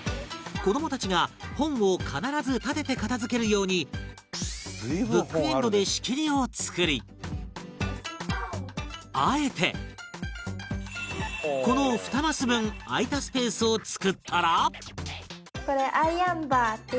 子どもたちが本を必ず立てて片付けるようにブックエンドで仕切りを作りあえてこの２マス分空いたスペースを作ったら